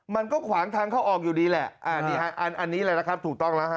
มันก็ขวางทางเข้าออกอยู่ดีแหละอ่านี่ฮะอันนี้แหละนะครับถูกต้องแล้วฮ